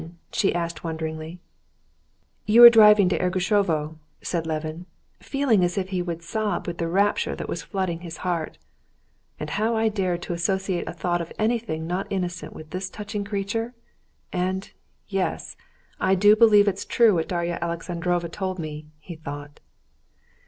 she asked, wondering. "You were driving to Ergushovo," said Levin, feeling as if he would sob with the rapture that was flooding his heart. "And how dared I associate a thought of anything not innocent with this touching creature? And, yes, I do believe it's true what Darya Alexandrovna told me," he thought.